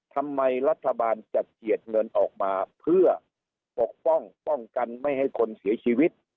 ทำไมรัฐบาลจะเจียดเงินออกมาเพื่อปกป้องป้องกันไม่ให้คนเสียชีวิต